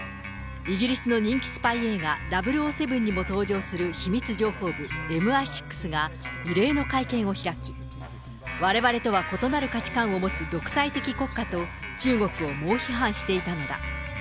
イギリスの人気スパイ映画、００７にも登場する秘密情報部、ＭＩ６が異例の会見を開き、われわれとは異なる価値観を持つ独裁的国家と、中国を猛批判していたのだ。